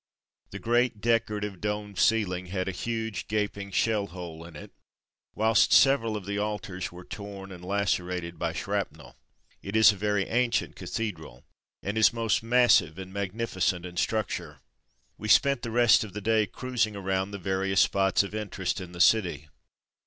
The great decorative domed ceiling had a huge, gaping shell hole in it, whilst several of the altars were torn and lacerated by shrapnel. It is a very ancient cathedral, and is most massive and magnificent in structure. We spent the rest of the day cruising around the various spots of interest in the city.